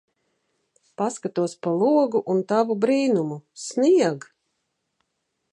Paskatos pa logu un tavu brīnumu. Snieg!